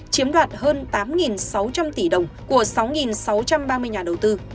chiếm đoạt hơn tám sáu trăm linh tỷ đồng của sáu sáu trăm ba mươi nhà đầu tư